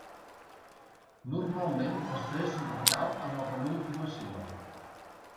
Normalment l'estrès recau en la penúltima síl·laba.